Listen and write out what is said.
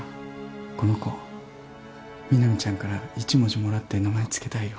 この子南ちゃんから一文字もらって名前つけたいよ。